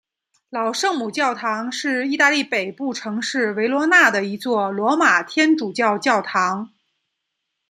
老圣母教堂是意大利北部城市维罗纳的一座罗马天主教教堂。